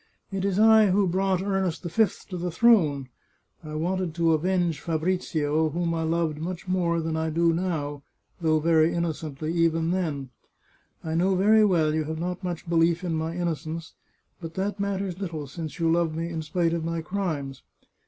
It is I who brought Ernest V to the throne. I wanted to avenge Fabrizio, whom I loved much more than I do now, though very innocently, even then. I know very well you have not much belief in my innocence, but that mat ters little, since you love me in spite of my crimes.